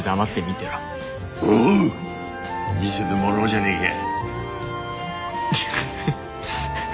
見せてもらおうじゃねえか」。